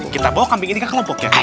kita bawa kambing ini ke kelompoknya